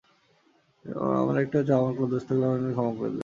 আমার একটাই চাওয়া, আমার কোনো দোষ থাকলে তারা যেন আমাকে ক্ষমা করে দেয়।